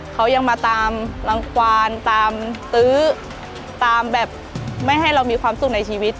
เขายังมาตามรังกวานตามตื้อตามแบบไม่ให้เรามีความสุขในชีวิต